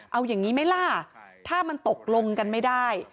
เอาอย่างนี้ไหมล่ะถ้ามันตกลงกันไม่ได้